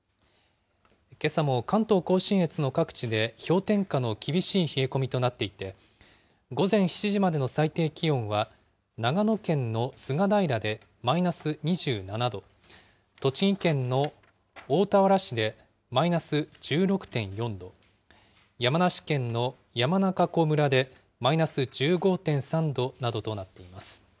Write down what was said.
けさも関東甲信越の各地で氷点下の厳しい冷え込みとなっていて、午前７時までの最低気温は長野県の菅平でマイナス２７度、栃木県の大田原市でマイナス１６．４度、山梨県の山中湖村でマイナス１５．３度などとなっています。